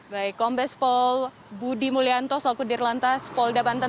baik kombes pol budi mulyanto sokudir lantas pol dabantan